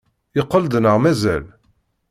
Yeqqel-d neɣ mazal?